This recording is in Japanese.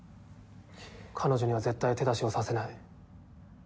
彼女には絶対手出しをさせない。